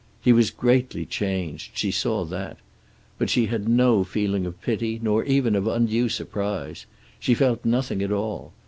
He was greatly changed. She saw that. But she had no feeling of pity, nor even of undue surprise. She felt nothing at all.